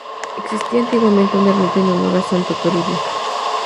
Existía antiguamente una ermita en honor a santo Toribio.